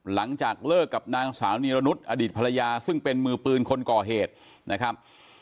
หลังจากเลิกกับนางสาวนีรนุษย์อดีตภรรยาซึ่งเป็นมือปืนคนก่อเหตุนะครับ